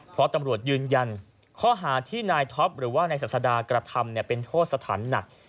เพราะตำรวจยืนยันข้อหาที่นายท็อปหรือว่านายศาสดากระทำเป็นโทษสถานหนัก